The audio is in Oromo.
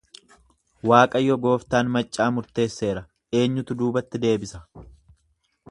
Waaqayyo gooftaan maccaa murteesseera, eenyutu duubatti deebisa?